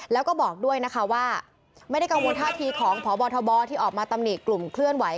แล้วก็บอกด้วยนะคะว่าไม่ได้กังวลท่าทีของพบทบที่ออกมาตำหนิกลุ่มเคลื่อนไหว